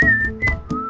ya udah deh